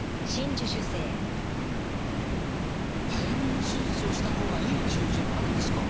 早めに手術をした方がいい中耳炎もあるんですか。